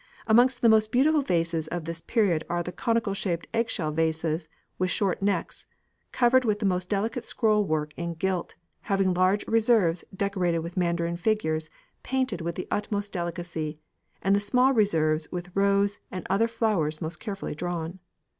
Amongst the most beautiful vases of this period are the conical shaped eggshell vases with short necks, covered with the most delicate scroll work in gilt, having large reserves decorated with Mandarin figures painted with the utmost delicacy, and the small reserves with rose and other flowers most carefully drawn.